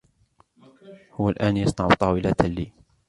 هو الآن يصنع طاولة لي.